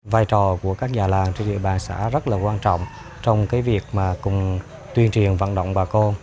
vai trò của các già làng trên địa bàn xã rất là quan trọng trong cái việc mà cùng tuyên truyền vận động bà con